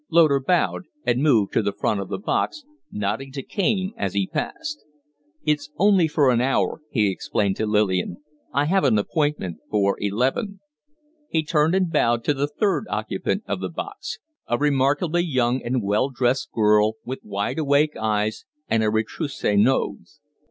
Loder bowed and moved to the front of the box, nodding to Kaine as he passed. "It's only for an hour," he explained to Lillian. "I have an appointment for eleven." He turned and bowed to the third occupant of the box a remarkably young and well dressed girl with wide awake eyes and a retrousse nose.